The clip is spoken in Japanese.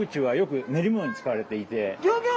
ギョギョッ！